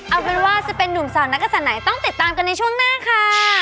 เอาเป็นว่าจะเป็นนุ่มสาวนักศัตริย์ไหนต้องติดตามกันในช่วงหน้าค่ะ